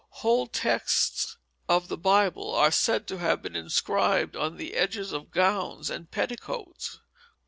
Whole texts of the Bible are said to have been inscribed on the edges of gowns and petticoats.